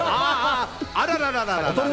あらららら！